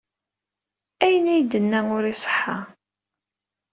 Ayen ay d-yenna ur iṣeḥḥa.